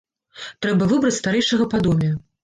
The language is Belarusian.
Трэба выбраць старэйшага па доме.